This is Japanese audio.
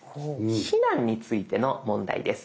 避難についての問題です。